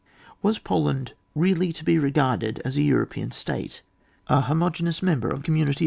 Was Poland really to be regarded as a European state, as a homogeneous member of the community OHAP.